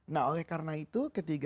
nah oleh karena itu ketiga